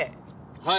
はい！